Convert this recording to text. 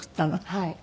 はい。